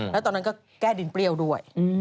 แล้วตอนนั้นก็แก้ดินเปรี้ยวด้วย